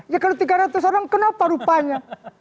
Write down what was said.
ya kalau tiga ratus orang kenapa rupanya